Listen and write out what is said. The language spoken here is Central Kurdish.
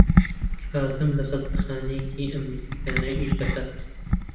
کازم لە خەستەخانەیەکی ئەم نزیکانە ئیش دەکات.